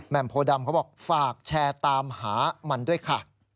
โพดำเขาบอกฝากแชร์ตามหามันด้วยค่ะ